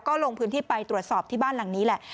ก็ลงพื้นที่ไปตรวจสอบที่บ้านหลังนี้แหละ